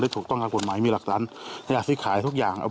ได้ถูกต้องการผลหมายมีหลักตันอย่าซื้อขายทุกอย่างเอา